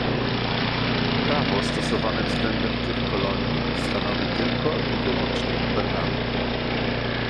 Prawo stosowane względem tych kolonii stanowi tylko i wyłącznie gubernator